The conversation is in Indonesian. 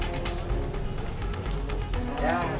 oke ya gitu